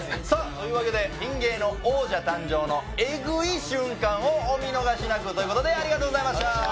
さあというわけでピン芸の王者誕生のエグい瞬間をお見逃しなく。ということでありがとうございました。